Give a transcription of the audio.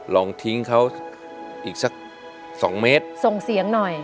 ลองทิ้งเขาอีกสักสองเมตรส่งเสียงหน่อย